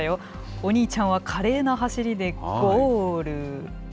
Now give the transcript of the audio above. お兄ちゃんは華麗な走りでゴール。